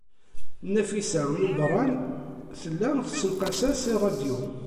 Nafisa n Ubeṛṛan tella tessenqas-as i ṛṛadyu.